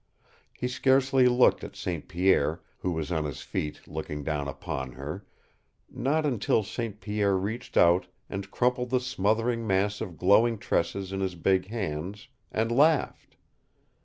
He scarcely looked at St. Pierre, who was on his feet, looking down upon her not until St. Pierre reached out and crumpled the smothering mass of glowing tresses in his big hands, and laughed.